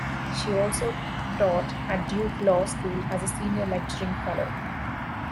She also taught at Duke Law School as a senior lecturing fellow.